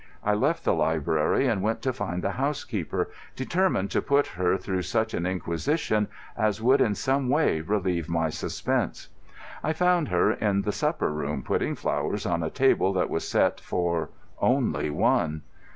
I left the library and went to find the housekeeper, determined to put her through such an inquisition as should in some way relieve my suspense. I found her in the supper room, putting flowers on a table that was set for—only one.